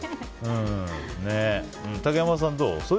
竹山さん、どう？